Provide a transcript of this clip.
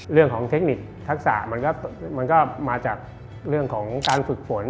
เทคนิคทักษะมันก็มาจากเรื่องของการฝึกฝน